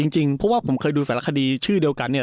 จริงเพราะว่าผมเคยดูสารคดีชื่อเดียวกันเนี่ย